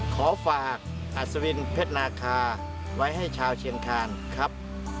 ขอฝากอัศวินเพชรนาคาไว้ให้ชาวเชียงคานครับ